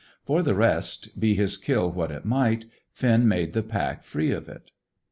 For the rest, be his kill what it might, Finn made the pack free of it.